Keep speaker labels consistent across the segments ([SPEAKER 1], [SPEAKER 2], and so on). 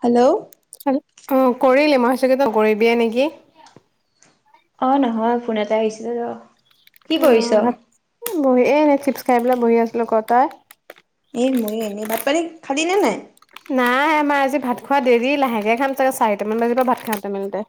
[SPEAKER 1] Hello?
[SPEAKER 2] টো কৰিলি? মই চাগে তই নকৰিবিয়ে নেকি?
[SPEAKER 1] অ' নহয়। ফোন এটা আহিছিলে ৰ'। কি কৰিছ?
[SPEAKER 2] অ' ভাত বহি এনে চিপছ খাই পেলাই বহি আছিলোঁ। ক' তই?
[SPEAKER 1] এ ময়ে এনেই। ভাত-পানী খালি নে নাই?
[SPEAKER 2] নাই, আমাৰ আজি ভাত খোৱা দেৰি। লাহেকে খাম চাগে চাৰিটামান বাজিৰ পৰা ভাত খাম। [unintelligible] তে।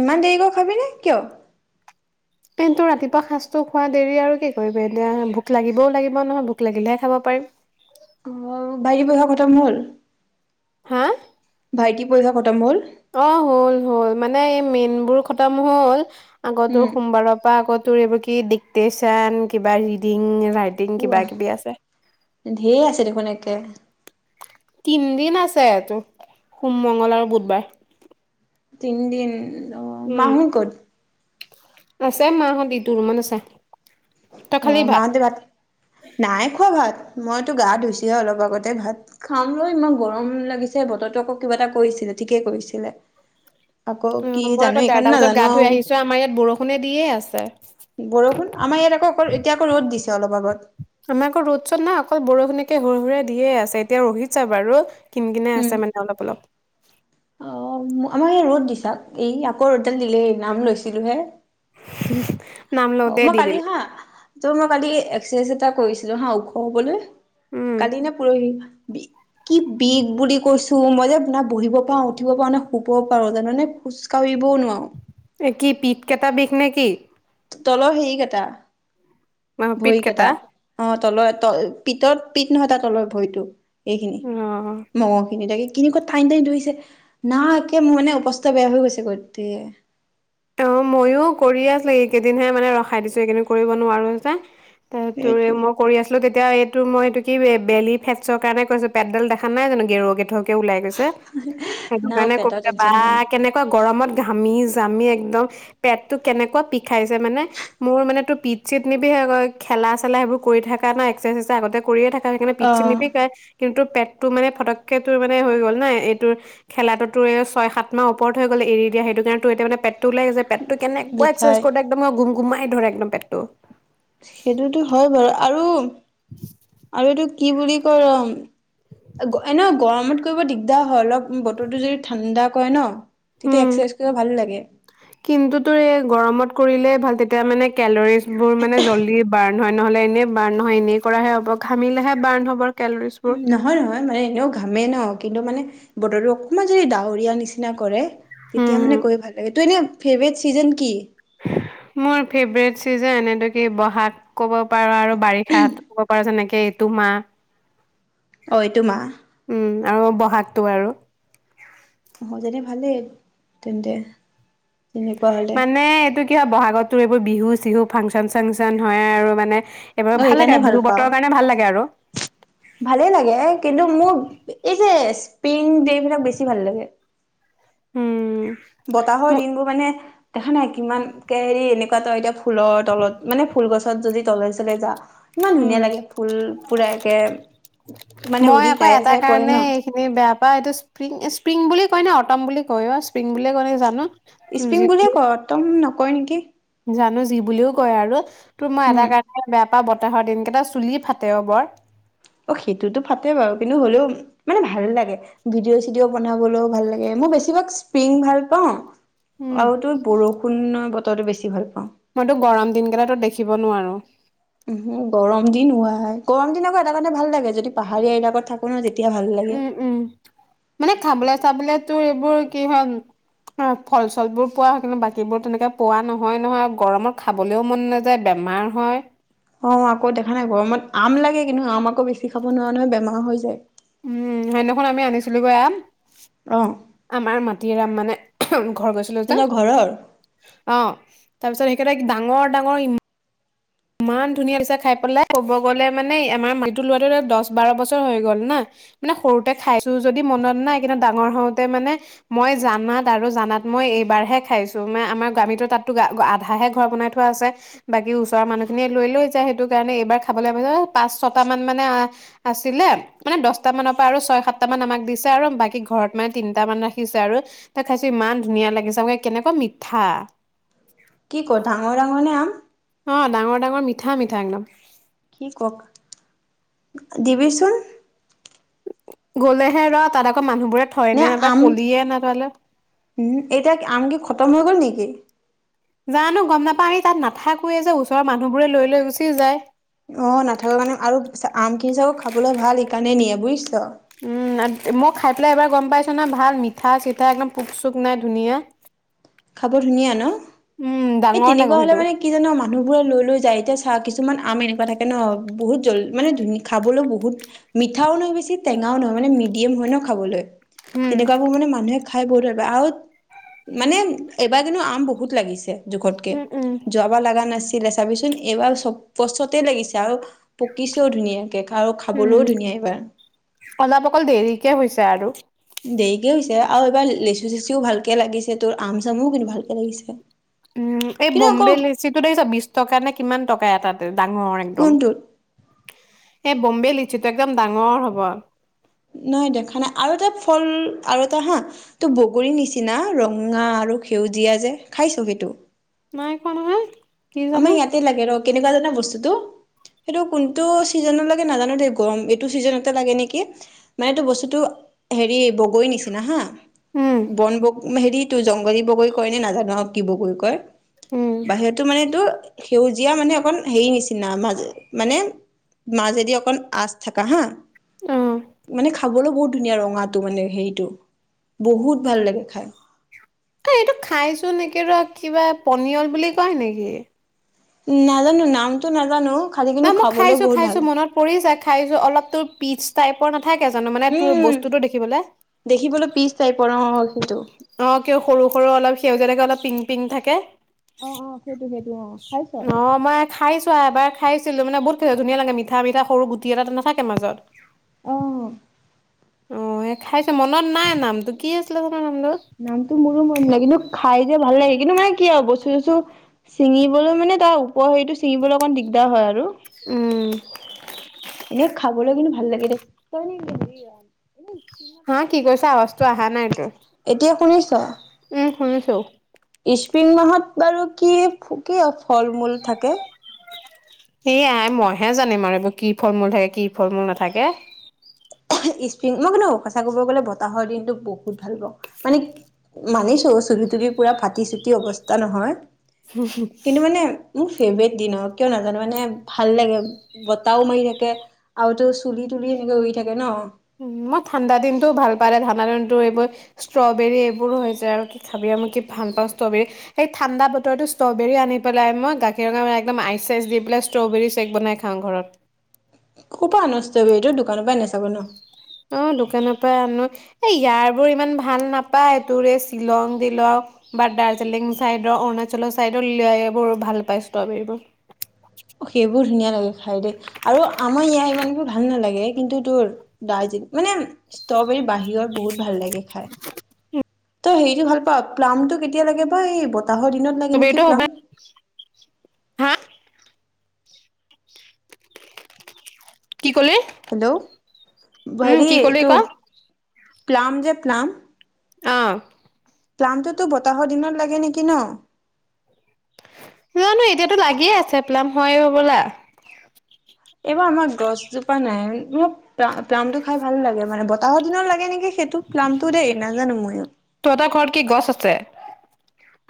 [SPEAKER 1] ইমান দেৰিকৈ খাবিনে? কিয়?
[SPEAKER 2] কিন্তু ৰাতিপুৱা সাজটো খোৱা দেৰি আৰু কি কৰিবি? এতিয়া ভোক লাগিবও লাগিব নহয়। ভোক লাগিলেহে খাব পাৰিম।
[SPEAKER 1] অ' বাকি পঢ়া খতম হ'ল?
[SPEAKER 2] হা?
[SPEAKER 1] ভাইটি পৰীক্ষা খতম হ'ল?
[SPEAKER 2] অ' হ'ল - হ'ল। মানে এই মেইনবোৰ খতম হ'ল। আগতো
[SPEAKER 1] উম।
[SPEAKER 2] সোমবাৰৰ পৰা আগত তোৰ এইবোৰ কি ডিক্টেশচন কিবা ৰিডিং ৰাইটিং কিবা কিবি আছে।
[SPEAKER 1] ঢেৰ আছে দেখোন একে
[SPEAKER 2] তিনদিন আছে এইটো, সোম, মংগল আৰু বুধবাৰ।
[SPEAKER 1] তিন দিন। অ',
[SPEAKER 2] উম
[SPEAKER 1] মাহোন ক'ত?
[SPEAKER 2] আছে মাহঁতি ইটো ৰুমত আছে। তই খালি
[SPEAKER 1] অ', মাহঁতে ভাত, নাই খোৱা ভাত, মইতো গা-ধুইছোহে অলপ আগতে, ভাত খাম লৈ ইমান গৰম লাগিছে, বতৰতো আকৌ কিবা এটা কৰিছিলে, ঠিকে কৰিছিলে। আকৌ কি
[SPEAKER 2] অ', মই
[SPEAKER 1] জানো
[SPEAKER 2] আকৌ
[SPEAKER 1] এইকাৰণে
[SPEAKER 2] দেৰটা বজাত
[SPEAKER 1] নাজানো
[SPEAKER 2] গা-ধুই
[SPEAKER 1] আৰু
[SPEAKER 2] আহিছোঁ হে, আমাৰ ইয়াত বৰষুণে দিয়ে আছে।
[SPEAKER 1] বৰষুণ? আমাৰ ইয়াত আকৌ এতিয়া আক, ৰ'দ দিছে, অলপ আগত।
[SPEAKER 2] আমাৰ আকৌ ৰ'দ- চত নাই, অকল বৰষুণকে সুৰা-সুৰাই দিয়ে আছে। এতিয়া ৰখিচে বাৰু। কিন- কিনাই
[SPEAKER 1] উম
[SPEAKER 2] আছে মানে অলপ-অলপ।
[SPEAKER 1] অ', আমাৰ এই ৰ'দ দিছে, এই আকৌ ৰ'দডাল দিলেই নাম লৈছিলো হে'।
[SPEAKER 2] [inaudible]
[SPEAKER 1] অ', মই
[SPEAKER 2] দি
[SPEAKER 1] কালি
[SPEAKER 2] দিলে
[SPEAKER 1] হা', তোৰ মই কালি একছাৰচাইজ এটা কৰিছিলো হা', ওখ হবলৈ,
[SPEAKER 2] উম
[SPEAKER 1] কালি নে পৰহি, কি, বিষ বুলি কৈছোঁ। ত', -মই', যে না বহিব পাৰোঁ, না উঠিব পাৰোঁ না শুব পাৰোঁ জাননে? খোজ কাঢ়িবও নোৱাৰোঁ।
[SPEAKER 2] এ কি পিঠ কেইটা বিষ নেকি?
[SPEAKER 1] তলৰ হেৰিকেইটা
[SPEAKER 2] অ পিত
[SPEAKER 1] ভৰি কেইটা অ', তলৰ ত', পিতত। পিট নহয় তাৰ তলৰ ভৰিতো। এইখিনি
[SPEAKER 2] অ
[SPEAKER 1] মহৰ খিনি তাকে। কিনেকুৱা টানি - টানি ধৰিছে, না একে মোৰ মানে অৱস্থা বেয়া হৈ গৈছে গোটেই।
[SPEAKER 2] অ', মইয়ো কৰিয়ে আছোঁ, এইকেইদিনহে মানে ৰখাই দিছোঁ, এইকেইদিন কৰিব নোৱাৰো যে। অ' তোৰ,
[SPEAKER 1] সেইটোৱে
[SPEAKER 2] মই কৰি আছিলোঁ তেতিয়া। এতিয়া, এইটো মই, এইটো কি, বেলি-ফেটছৰ কাৰণে কৰিছোঁ পেটডাল দেখা নাই জানো, গেৰ- গেথক ওলাই গৈছে। সেটো
[SPEAKER 1] না মোৰ
[SPEAKER 2] কাৰণে কৰোঁ,
[SPEAKER 1] পেটৰ টেনচন
[SPEAKER 2] বাহ!
[SPEAKER 1] নাই
[SPEAKER 2] কেনেকুৱা গৰমত ঘামি- জামি একদম পেটটো কেনেকুৱা বিখাইছে মানে, মোৰ মানে তোৰ পিট চিত নিবিখায় গৈ, খেলা চেলা সেইবোৰ কৰি থকা ন', এক্সাৰচাইজ আগতে কৰিয়ে থকা হয় সেইকাৰণে
[SPEAKER 1] অ
[SPEAKER 2] পিট - চিট নিবিষাই, কিন্তু পেটটো মানে ফটককৈ তোৰ মানে হৈ গ'ল, না, এইটো খেলাতো তোৰ এই ছয়-সাত মাহ ওপৰত হৈ গ'ল এৰি দিয়া। সেইটো কাৰণে তোৰ এতিয়া মানে পেট টো উলাই গৈছে। পেটটো কেনেকুৱা এক্সচাছাইজছ
[SPEAKER 1] বিষাই
[SPEAKER 2] কৰোঁতে একদম মই গুম কোমাই ধৰে একদম পেটটো।
[SPEAKER 1] সেইটোতো হয় বাৰু। আৰু আৰু এইটো কি', বুলি কয়', এ', -ন', গৰমত কৰিব দিগদাৰ হয়', অলপ বতৰটো যদি ঠাণ্ডা কৰে ন', তেতিয়া
[SPEAKER 2] উম,
[SPEAKER 1] এক্সাৰচাইজ কৰিব ভাল লাগে
[SPEAKER 2] কিন্তু তোৰ এই গৰমত কৰিলে ভাল। তেতিয়া মানে কেলৰি বোৰ মানে জল্দি বাৰ্ণ্ড হয় নহলে এনেই বাৰ্ণ্ড নহয়, এনেই কৰাহে হ'ব ঘাঁমিলেহে বাণ্ড হব। কেলৰিজ বোৰ
[SPEAKER 1] নহয়-নহয়, মানে এনেও ঘামেই ন কিন্তু মানে বতৰটো অকণমান যদি ডাৱৰীয়া নিচিনা কৰে,
[SPEAKER 2] হম
[SPEAKER 1] তেতিয়া মানে
[SPEAKER 2] হম
[SPEAKER 1] গৈ ভাল লাগে। তোৰ এনেই ফেভৰেট চিজন কি?
[SPEAKER 2] মোৰ ফেভৰেট চিজন এইটো কি বহাগ ক'ব পাৰো আৰু বাৰিষা কব পৰা যেনেকে, সেইটো মাহ।
[SPEAKER 1] অ' এইটো মাহ।
[SPEAKER 2] উম আৰু বহাগটো আৰু
[SPEAKER 1] মইজানী ভালেই তেন্তে। তেনেকুৱা হ'লে,
[SPEAKER 2] এতিয়া, বহাগততো এইবোৰ বিহু-চিহু, ফাংচন-চাংচন হয় আৰু মানে এইবাৰ
[SPEAKER 1] অ
[SPEAKER 2] ভাল লাগে
[SPEAKER 1] সেইকাৰণে
[SPEAKER 2] আৰু বিহু
[SPEAKER 1] পাওঁ
[SPEAKER 2] বতৰৰ কাৰণে ভাল লাগে আৰু।
[SPEAKER 1] ভালেই লাগে কিন্তু মোৰ এই যে স্পী দে বিলাক বেছি ভাল লাগে।
[SPEAKER 2] উম,
[SPEAKER 1] বতাহৰ
[SPEAKER 2] মো
[SPEAKER 1] দিনবোৰ মানে দেখা নাই কিমান কে হেৰি? এনেকুৱা তো এতিয়া ফুলৰ তলত মানে ফুল গছত, যদি তলে চলে যা ইমান
[SPEAKER 2] উম,
[SPEAKER 1] ধুনীয়া লাগে ফুল পুৰা একে মানে
[SPEAKER 2] মই
[SPEAKER 1] উৰি
[SPEAKER 2] আকৌ
[SPEAKER 1] গাই
[SPEAKER 2] এটা
[SPEAKER 1] চাই পৰে ন
[SPEAKER 2] কাৰণে এইখিনি বেয়া পাও, এইটো স্প্ৰিং-স্প্ৰিং বুলি কই ন অটম বুলি কয় অ' স্প্ৰিং বুলি ক ন জানো, তোৰ
[SPEAKER 1] স্পিং
[SPEAKER 2] যি
[SPEAKER 1] বুলিয়ে
[SPEAKER 2] বুলি
[SPEAKER 1] কয়। তম নক কয় নেকি?
[SPEAKER 2] জানো যি বুলিও কয় আৰু তোৰ মই এটা
[SPEAKER 1] উম
[SPEAKER 2] কাৰণে বেয়া তা বতাহৰত দিন কেইটা চুলি ফাটে অ বৰ।
[SPEAKER 1] অ' সেইটোতো ফাটে বাৰু কিন্তু হ'লেও মানে ভাল লাগে, ভিডিঅ'-চিডিঅ', বনাবলৈও ভাল লাগে মই বেছিভাগ স্প্ৰিং ভাল পাওঁ,
[SPEAKER 2] উম
[SPEAKER 1] আৰু তোৰ বৰষুণৰ ব ত বেছি ভাল পাওঁ।
[SPEAKER 2] মইতো গৰম দিন কেইটো দেখিব নোৱাৰো।
[SPEAKER 1] উম, গৰম দিন হোৱাই গৰম দিন আকৌ এটা কাৰণে ভাল লাগে, যদি পাহাৰীয়া এলাকত থাকো ন তেতিয়া ভাল লাগে।
[SPEAKER 2] উম-উম, মানে খাবলৈ চাবলে তোৰ এইবোৰ কি হয় ফল চল বোৰ পোৱা হয় কিন্তু বাকীবোৰ তেনেকে পোৱা নহয়-নহয় গৰমত খাবলেও মন নাযায় বেমাৰ হয়।
[SPEAKER 1] অ' আকৌ দেখা নাই গৰমত আম লাগে কিন্তু আমাক আকৌ বেছি খাব নোৱাৰা নহয় বেমাৰ হৈ যায়।
[SPEAKER 2] উম, সেইদিনাখন আমি আনিছিলোগৈ আম।
[SPEAKER 1] অঁ।
[SPEAKER 2] আমাৰ মাটিৰা আম মানে। ঘৰ গৈছিলো যে
[SPEAKER 1] তহঁতৰ ঘৰৰ
[SPEAKER 2] অ। তাৰ পিছত সেইকাৰতে ডাঙৰ ডাঙৰ ইমান। ইমান ধুনীয়া হৈছে খাই পেলাই ক'ব গ'লে মানে আমাৰ মটো লৰাটো দহ বাৰ বছৰ হৈ গল না, মানে সৰুতে খাইছো যদি মনত নাই কিন্তু ডাঙৰ হওতে মানে মই জানাত আৰু জানাত মই এইবাৰহে খাইছো মানে আমাৰ গামীতো তাতো আধাহে ঘৰ বনাই থোৱা আছে বাকী। ৰ মানুহ খিনিয়ে লৈ লৈ যায় সেইটো কাৰণে এইবাৰ খাবলৈ পাইছোঁ। পাঁচ ছটা মান মানে আছিলে মানে দহটা মানৰ পৰা আৰু ছয় সাতটা মান আমাক দিছে আৰু বাকী ঘৰত মানে তিনট মান ৰাখিছে আৰু ত খাইছো ইমান ধুনীয়া লাগিছে ম কেনেকুৱা মিঠা।
[SPEAKER 1] কি ডাঙৰ ডাঙৰ নে আম?
[SPEAKER 2] অঁ, ডাঙৰ ডাঙৰ মিঠা মিঠা একদম।
[SPEAKER 1] কি ক দিবিচোন।
[SPEAKER 2] গ'লেহে ৰ তাত আকৌ মানুহ।
[SPEAKER 1] নে আম, উম এতিয়া আম কি খতম হৈ গ'ল নেকি?
[SPEAKER 2] জানো গম নাপাও তাত নাথাকোৱয়ে যে ওচৰৰ মানুহবোৰে লৈ লৈ গুচি যায়।
[SPEAKER 1] অ, নাথাককা কাৰণে আৰু আমখিনি চাবো খাবলৈ ভাল সেইকাৰণে নিয়ে বুজিছ।
[SPEAKER 2] উম, মই খাই পেলাই এবাৰ গম পাইছো না ভাল মিঠা চিঠা একদম পোক চোক নাই ধুনীয়া।
[SPEAKER 1] খাব ধুনীয়া ন,
[SPEAKER 2] উম
[SPEAKER 1] এই
[SPEAKER 2] ডাঙৰ
[SPEAKER 1] তেনেকুৱা
[SPEAKER 2] ডাঙৰ
[SPEAKER 1] হলে
[SPEAKER 2] সেইটো
[SPEAKER 1] মানে কি জানো মানুহ বোৰে লৈ লৈ যায় এতিয়া চাহ কিছুহ কিছুমান আম এনেকুৱা থাকে ন বহুত জ মানে ধু খাবলৈ বহুত মিঠাও নহয় বেছি টেঙাও নহয় মানে মিডিয়াম হয় ন খাবলৈ।
[SPEAKER 2] উম
[SPEAKER 1] তেনেকুৱাবোৰ মানে মানুহে। খাই বহত ধিব আৰু মানে [unintelligible] এইবাৰ কিন্তু আম বহুত লাগিছে। জোখতকে,
[SPEAKER 2] উম উম
[SPEAKER 1] যাবাৰ লগা নাছিল। দিলে চাবিচোন, এইবাৰ চব গছতে লাগিছে আৰু। পকিছেও ধুনীয়াকে, আৰু
[SPEAKER 2] উম
[SPEAKER 1] খাবলৈও ধুনীয়া এইবাৰ।
[SPEAKER 2] অলপ অকল দেৰিকে হৈছে আৰু।
[SPEAKER 1] দেৰিকে হৈছে আৰু এইবাৰ লেচু চেচিও ভালকে লাগিছে তোৰ আম চামোও কিন্তু ভালকে লাগিছে।
[SPEAKER 2] উম, এই
[SPEAKER 1] কিন্তু আকৌ
[SPEAKER 2] বম্বে লিচিটো দেখিছ বিশ টকা নে কিমান টকা এটাত। ডাঙৰৰ একদম।
[SPEAKER 1] কোনটোত
[SPEAKER 2] এই, বম্বে লিছোঁটো একদম ডাঙৰ হ'ব।
[SPEAKER 1] নাই দেখা নাই আৰু এটা ফল আৰু এটা হা তো বগৰীৰ নিচিনা ৰঙা আৰু সেউজীয়া যে খাইছ সেইটো?
[SPEAKER 2] নাই খোৱা নহয়। কি জানো
[SPEAKER 1] আমাৰ ইয়াতে লাগে ৰ। কেনেকুৱা জানা বস্তুটো, সেইটো কোনটো চিজন লে নাজানো দেই গৰম এইটো চিজন লাগে নেকি মানে এইটো বস্তুতটো হেৰি। বগৰী নিচিনা হা,
[SPEAKER 2] উম
[SPEAKER 1] বন বগৰী। তো জংঘলী বগৈ কয় নে নাজানো হক কি বগৈ কয়।
[SPEAKER 2] উম
[SPEAKER 1] বাহিৰতো মানে ত সেউজীয়া মানে অকন হেৰি নিচিনা মাজে মানে মাজেদি অকণ আচ থাকা হা
[SPEAKER 2] অ',
[SPEAKER 1] মানে খাবলৈ বহুত ধুনীয়া ৰঙাটো মানে হেৰিটো বহুত ভাল লাগে খাই।
[SPEAKER 2] অ', এইটো খাইচোন একে ৰ কিবা পনিয়ল বুলি কয় নেকি?
[SPEAKER 1] নাজানো নামটো নাজানো। খালি
[SPEAKER 2] ন
[SPEAKER 1] কিন্তু
[SPEAKER 2] মই
[SPEAKER 1] খাবলৈও
[SPEAKER 2] খাইছো -
[SPEAKER 1] বহুত ভাল
[SPEAKER 2] খাইছো মনত পৰিছে খাইছো অলপটো পিচ তাইপৰ কথাকে জানো মানে তোৰ
[SPEAKER 1] উম
[SPEAKER 2] বস্তুটো দেখিবলৈ
[SPEAKER 1] কুদো
[SPEAKER 2] সৰু- সৰু অলপ সেউজীয়া থাকে অলপ পিংক - পিংক থাকে।
[SPEAKER 1] অ অ সেইটো সেইটো অ খাইছ
[SPEAKER 2] অ', মই খাইছো এবাৰ খাইছিলো মানে বহুত খ ধুনীয়া লাগে মিঠা - মিঠা সৰু গুটি এটা নাথাকে মাজত।
[SPEAKER 1] অ
[SPEAKER 2] অ ', এ খাইছে মনত নাই নামটো কি আছিলে ভ
[SPEAKER 1] নামতো মোৰো মনত নাই কিন্তু খাই যে ভাল লাগে কিন্তু মানে কি আৰু বস্তু চস্তু চিঙিবলৈ মানে তাৰ উপ হেৰিটো চিঙিবলৈ অকমান দিগদাৰ হয় আৰু।
[SPEAKER 2] উম',
[SPEAKER 1] এনেই খাবলৈ কিন্তু ভাল লাগে দে
[SPEAKER 2] হা', কি কৈছা আৱাজটো অহা নাই তোৰ
[SPEAKER 1] এতিয়া
[SPEAKER 2] উম', শুনিছো
[SPEAKER 1] স্পিং মাহত বাৰু কি- কি ফল মূল থাকে?
[SPEAKER 2] এ', আই মইহে জানিম আৰু এইবোৰ কি ফল মূল থাকে কি ফল মূল নাথাকে।
[SPEAKER 1] স্পিং মই কো সঁচা কব গলে বতাহৰ দিনটো বহুত ভাল পাওঁ মানে মানিছো চুলি তুলি পুৰা ফাটি চুটি অৱস্থা নহয়। কিন্তু মানে মোৰ ফেব্ৰেট দিন কিয় নাজানো মানে ভাল লাগে বতাহও মাৰি থাকে আৰুতটো চুলি তুলি এনেকে উ', থাকে ন।
[SPEAKER 2] মই ঠাণ্ডা দিনটোও ভাল পালে ঠাণ্ডা দিনটো এইবোৰ ষ্ট্ৰবেৰী এইবোৰো হৈছে আৰু কি খাবি আৰু মই কি ভাল পাওঁ ষ্ট্ৰবেৰী সেই ঠাণ্ডা বতৰতো ষ্ট্ৰবেৰী আনি পেলাই মই গাখীৰা একদম আইচ চইচ দি পেলাই ষ্ট্ৰবেৰী চেক বনাই খাওঁ ঘৰত।
[SPEAKER 1] ক'ৰ পৰা আন ষ্ট্ৰবেৰী এইটো দোকানৰ পৰা আন চাগে ন?
[SPEAKER 2] অ', দোকানৰ পৰা আনো এ ইয়াৰ বোৰ ইমান ভাল নাপায় তোৰ এই শ্বিলং দিলং বা দাৰ্জিলিং চাইডৰ অৰুণাচলৰ চাইডৰ এইবোৰ ভাল পায় ষ্ট্ৰবেৰীবোৰ।
[SPEAKER 1] সেইবোৰ ধুনীয়া খাই দেই আৰু আমাৰ ইয়াৰ ইমান কোৰ ভাল নালাগে কিন্তু তোৰ দাৰ্জিল মানে ষ্ট্ৰবেৰী বাহিৰৰ বহুত ভাল লাগে খাই। ত হেৰিটো ভাল পা প্লাম টো কেতিয়া লাগে বা বতাহৰ দিনত লাগে
[SPEAKER 2] বেট
[SPEAKER 1] নেকি
[SPEAKER 2] হ'ব
[SPEAKER 1] প্লাম
[SPEAKER 2] হা কি ক'লি
[SPEAKER 1] হেল্ল',
[SPEAKER 2] উম,
[SPEAKER 1] হেৰি
[SPEAKER 2] কি ক'লি ক
[SPEAKER 1] তোৰ প্লাম যে প্লাম
[SPEAKER 2] আহ',
[SPEAKER 1] প্লামটোতো বতাহৰ দিনত লাগে নেকি ন?
[SPEAKER 2] জানো এতিয়াতো লাগিয়ে আছে প্লাম হয় হবলা।
[SPEAKER 1] এইবাৰ আমাৰ গছজোপা নাই মানে প্লাম টো খাই ভাল লাগে মানে বতাহৰ দিনত লাগে নেকি? সেইটো প্লামতো দেই নাজানো ময়ো।
[SPEAKER 2] তহঁতৰ ঘৰত কি গছ আছে?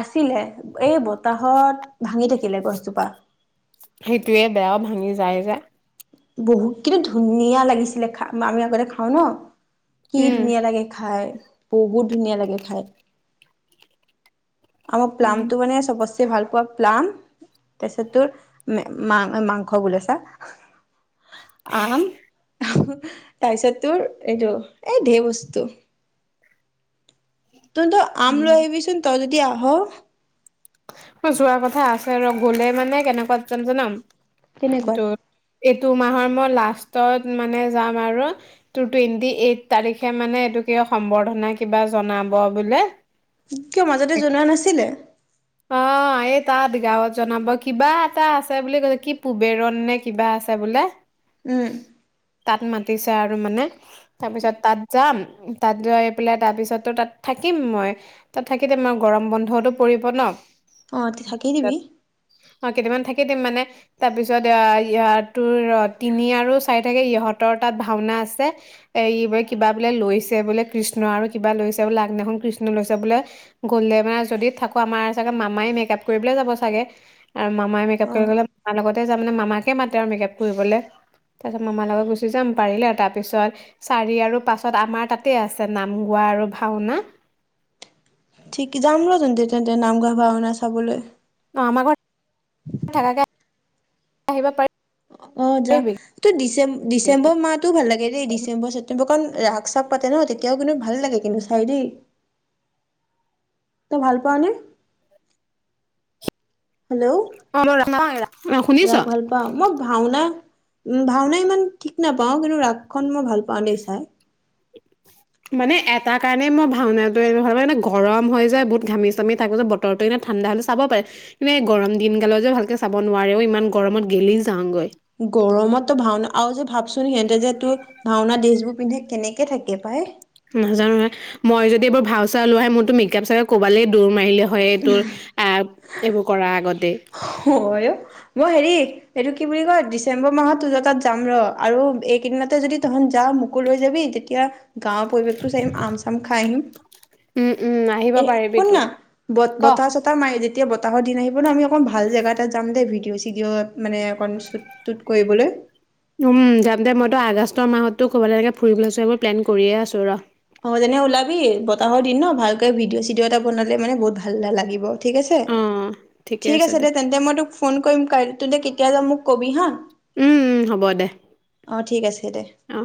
[SPEAKER 1] আছিলে এই বতাহত ভাঙি থাকিলে গছজোপা।
[SPEAKER 2] সেইটোয়ে বেয়াও ভাঙি যায় যে।
[SPEAKER 1] বহুত কিন্তু ধুনীয়া লাগিছিলে খা আমি আগতে খাওঁ ন কি
[SPEAKER 2] উম,
[SPEAKER 1] ধুনীয়া লাগে খাই। বহুত ধুনীয়া লাগে খাই। আমাৰ প্লাম
[SPEAKER 2] উম,
[SPEAKER 1] টো মানে চবতচে ভাল পোৱা প্লান তাৰ পিছত তোৰ মা মাংস বোলে ছা আম তাৰপিছত তোৰ এইটো এ ধেৰ বস্তু তুম তো আম লৈ
[SPEAKER 2] উম।
[SPEAKER 1] আহিবিচোন তই যদি দিয়া হ
[SPEAKER 2] মই় যোৱা কথা আছে ৰ গলে মানে কেনেকুৱাত যাম জনাম
[SPEAKER 1] কেনেকুৱাত
[SPEAKER 2] কিন্তু [unintelligible] টু মাহৰ মই লাষ্টত মানে যাম আৰু তোৰ টুৱেন্টি এইড তাৰিখে মানে এই সম্বৰ্ধনা কিবা জনাব বোলে।
[SPEAKER 1] কিয় মাজতে জনোৱা নাছিলে
[SPEAKER 2] অ', এই তাত গাঁৱত জনাব কিবা এটা আছে বুলি কৈছে কি পুবেৰণ নে কিবা আছে বোলে।
[SPEAKER 1] উম
[SPEAKER 2] তাত মাতিছে আৰু মানে তাৰপিছত তাত যাম তাত যাই পেলাই তাৰ পিছত তো তাত থাকিম মই তাত থাকি ত আমাৰ গৰম বন্ধতো পৰিব ন।
[SPEAKER 1] অ ত থাকি ই দিবি
[SPEAKER 2] অ কেইটামান থাকি দিম মানে তাৰপিছত ই তোৰ তিনি আৰু চাৰি থাকে ইহঁতৰ তাত ভাওনা আছে এই বোলে কিবা বোলে লৈছে বোলে কৃষ্ণ আৰু কিবা লৈছে বোলে আগদিনাখন কৃষ্ণ লৈছে বোলে। গলে মানে যদি থাকো আমাৰ চাগে মামাই মেকআপ কৰিবলে যাব চাগে আৰু মামাই মেকআপ
[SPEAKER 1] অ
[SPEAKER 2] কৰিবলে মামাৰ লগতে যাম মানে মামাকে মাতে আৰু মেকআপ কৰিবলৈ তাৰপিছত মামাৰ লগত গুচি যাম পাৰিলে আৰু তাৰপিছত চাৰি আৰু পাছত আমাৰ তাতে আছে নাম গোৱা আৰু ভাওনা।
[SPEAKER 1] ঠিক যাম ৰ তেন্তে তেন্তে নামঘৰ ভাওনা চাবলৈ।
[SPEAKER 2] অঁ আমাৰ ঘৰত থাকাকে আহিব পাৰিবি
[SPEAKER 1] অ যা ত ডিচেম্ব ডিচেম্বৰ মাহতো ভাল লাগে দেই ডিচেম্বৰ ছেপ্তেম্বৰ কাৰণ ৰাস চাগ পাতে ন তেতিয়াও কিন্তু ভাল লাগে কিন্তু চাই দেই তই ভাল পাও নে?
[SPEAKER 2] অ
[SPEAKER 1] হেল্ল'
[SPEAKER 2] শুনিছ
[SPEAKER 1] ৰাস ভাল পা মোক ভাওনা উ ভাওনা ইমান ঠিক নাপাওঁ কিন্তু ৰাস খন মই ভাল পাওঁ। পাও দেই চাই।
[SPEAKER 2] তাৰ কাৰণেই মই ভাওনাটো ভাল পাওঁ মানে গৰম হৈ যায় বহুত ঘামি চামি থাকো যে বতৰটো এনেই ঠাণ্ডা হ'লে চাব পাৰে কিন্তু এই গৰম দিন গালে যে ভালকৈ চাব নোৱাৰেও ইমান গৰমত গেলি যাওঁগৈ।
[SPEAKER 1] গৰমতো ভাওনা আৰু যে ভাবচোন সিহঁতে যে তোৰ ভাওনা দি পিন্ধে কেনেকে থাকে পায়।
[SPEAKER 2] নাজানো হয় মই যদি এইবাৰ ভাও চাও লোৱা হয় মোৰতো মেকআপ চেকআপ কবালেই দৌৰ মাৰিলে হয়। হৈয়ে তোৰ আহ এইবোৰ কৰাৰ আগতেই
[SPEAKER 1] হয় অ'। মই হেৰি, এইটো কি বুলি কয় ডিচেম্বৰ মাহত তহঁতৰ তাত যাম ৰ। আৰু এইকেইদিনতে যদি তহঁত যাৱ মোকো লৈ যাবি। তেতিয়া গাঁৱৰ পৰিৱেশটো চাই আহিম। আম-চাম খাই আহিম।
[SPEAKER 2] উম উম আহিব
[SPEAKER 1] এ
[SPEAKER 2] পাৰিবিতো। ক
[SPEAKER 1] এতিয়া বতাহৰ দিন আহিব ন আমি অকণমান ভাল জেগা এটাত যাম দেই ভিডিঅ'-চিডিঅ' মানে অকণ চুট-টুট কৰিবলৈ
[SPEAKER 2] উম যাম দে। মইতো আগষ্টৰ মাহতো ক'বালৈ এনেকে ফুৰিবলৈ চুৰিবলৈ প্লেন কৰিয়ে আছো ৰ।
[SPEAKER 1] হ'ব তেনে ওলাবি, বতাহৰ দিন ন? ভালকে ভিডিঅ'-চিডিঅ' এটা বনালে মানে বহুত ভাল লাগিব ঠিক আছে?
[SPEAKER 2] অ
[SPEAKER 1] ঠিক আছে দে তেন্তে মই তোক ফোন কৰিম কাইলৈ। তহঁতে কেতিয়া যাৱ মোক ক'বি হা!
[SPEAKER 2] উম উম হ'ব দে।
[SPEAKER 1] অ ঠিক আছে দে
[SPEAKER 2] অ'